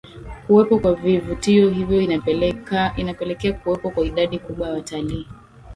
Kuwepo kwa vivutio hivyo inapelekea kuwepo kwa idadi kubwa ya watalii